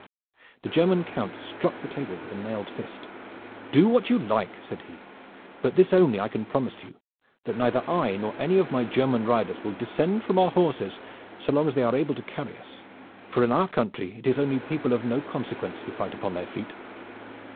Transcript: The German Count struck the table with his mailed fist. "Do what you like!" said he. "But this only I can promise you, that neither I nor any of my German riders will descend from our horses so long as they are able to carry us, for in our country it is only people of no consequence who fight upon their feet."